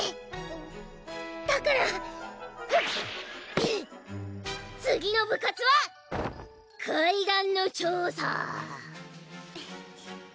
だから次の部活は怪談の調査！